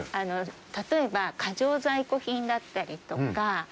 例えば過剰在庫品だったりとか。